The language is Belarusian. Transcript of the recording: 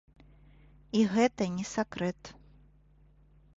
І гэта не сакрэт.